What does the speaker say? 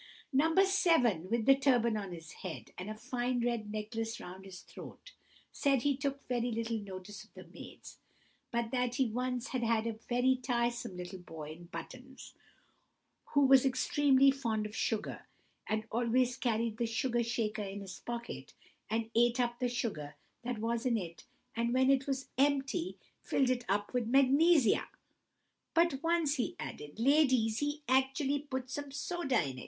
No. 7, with the turban on his head, and a fine red necklace round his throat, said he took very little notice of the maids, but that he once had had a very tiresome little boy in buttons, who was extremely fond of sugar, and always carried the sugar shaker in his pocket, and ate up the sugar that was in it, and when it was empty, filled it up with magnesia. "But once," he added, "ladies, he actually put some soda in.